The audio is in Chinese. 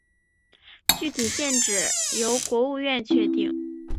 具体界址由国务院确定。